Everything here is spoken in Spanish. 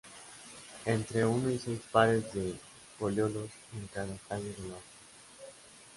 Entre uno y seis pares de foliolos en cada tallo de la hoja.